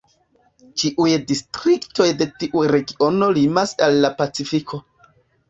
Ĉiuj distriktoj de tiu regiono limas al la pacifiko.